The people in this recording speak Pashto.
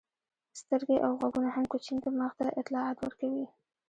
سترګې او غوږونه هم کوچني دماغ ته اطلاعات ورکوي.